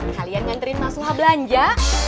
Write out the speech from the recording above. kalian nganterin mas suha belanja